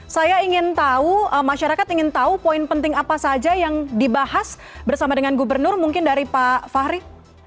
saya ingin tahu masyarakat ingin tahu poin penting apa saja yang dibahas bersama dengan gubernur mungkin dari pak fahri